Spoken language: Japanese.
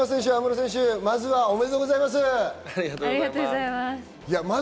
まずは、お２人おめでとうございます。